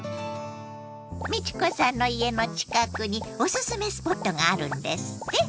美智子さんの家の近くにおすすめスポットがあるんですって？